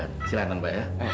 tidak ada wajah